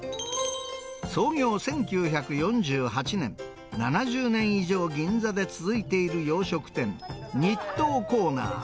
創業１９４８年、７０年以上銀座で続いている洋食店、日東コーナー。